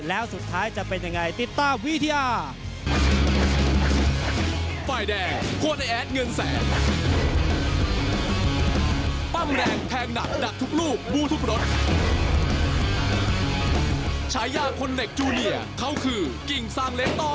แล้วสุดท้ายจะเป็นยังไงติดตามวิทยา